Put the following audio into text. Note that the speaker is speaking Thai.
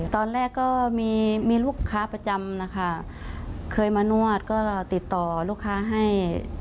ตอนแรกก็มีมีลูกค้าประจำนะคะเคยมานวดก็ติดต่อลูกค้าให้